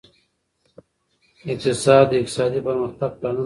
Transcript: اقتصاد د اقتصادي پرمختګ پلانونه ارزوي.